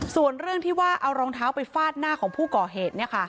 ส่วนเรื่องที่ว่าเอารองเท้าไปฟาดหน้าของผู้ก่อเหตุ